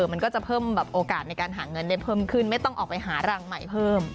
มันก็จะเพิ่มโอกาสในการหาเงินได้เพิ่มขึ้นไม่ต้องออกไปหารังใหม่เพิ่ม